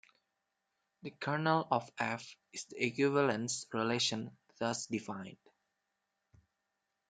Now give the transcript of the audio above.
The kernel of "f" is the equivalence relation thus defined.